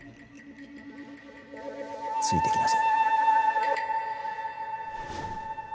ついてきなさい。